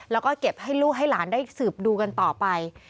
แล้วก็เก็บให้ลูกให้หลานได้สืบดูกันต่อไป